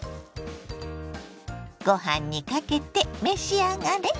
ご飯にかけて召し上がれ。